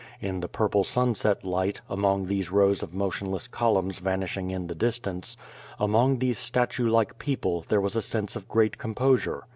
In the purple sunset light, among these rows of motionless columns vanish ing in the distance, among these statue like people there was a sense of great composure.